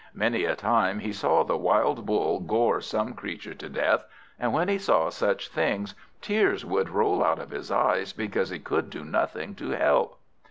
Many a time he saw the wild Bull gore some creature to death; and when he saw such things, tears would roll out of his eyes, because he could do nothing to help.